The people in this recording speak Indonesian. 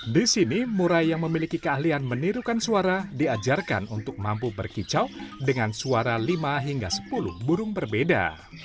di sini murai yang memiliki keahlian menirukan suara diajarkan untuk mampu berkicau dengan suara lima hingga sepuluh burung berbeda